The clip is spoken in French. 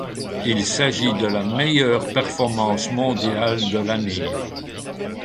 Il s'agit de la meilleure performance mondiale de l'année.